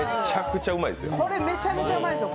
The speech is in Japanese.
これ、めちゃめちゃうまいですよ。